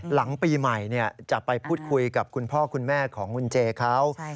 หลังปีใหม่จะไปพูดคุยกับคุณพ่อคุณแม่ของคุณเจเขา